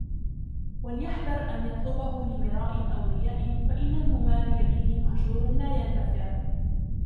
وَلْيَحْذَرْ أَنْ يَطْلُبَهُ لِمِرَاءٍ أَوْ رِيَاءٍ فَإِنَّ الْمُمَارِيَ بِهِ مَهْجُورٌ لَا يَنْتَفِعُ